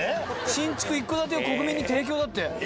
新築一戸建てを国民に提供だって。